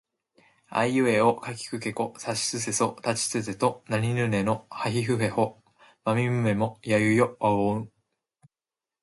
あいうえおかきくけこさしすせそたちつてとなにぬねのはひふへほまみむめもやゆよわをん